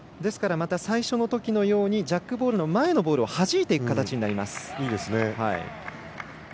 また最初のときのようにジャックボールの前のボールをはじいていく形になります。